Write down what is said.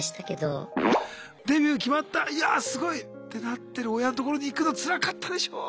デビュー決まったいやあすごいってなってる親のところに行くのつらかったでしょう。